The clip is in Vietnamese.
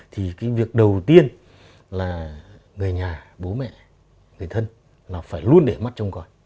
thì cái việc đầu tiên là người nhà bố mẹ người thân là phải luôn để mắt trong con